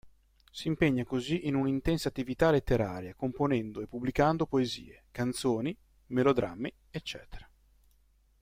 Si impegna così in un'intensa attività letteraria componendo e pubblicando poesie, canzoni, melodrammi ecc.